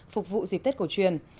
phục vụ dịp tết cổ truyền